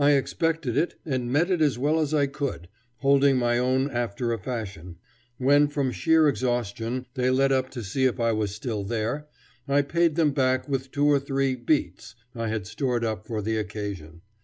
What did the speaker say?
I expected it and met it as well as I could, holding my own after a fashion. When, from sheer exhaustion, they let up to see if I was still there, I paid them back with two or three "beats" I had stored up for the occasion.